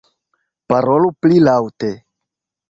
Parolu pli laŭte.